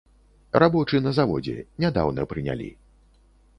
Рабочы на заводзе, нядаўна прынялі.